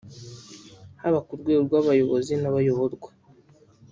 Haba ku rwego rw’abayobozi n’abayoborwa